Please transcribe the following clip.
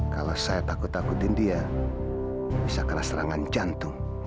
kalau saya takut takutin dia bisa kena serangan jantung